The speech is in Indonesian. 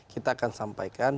kita akan sampaikan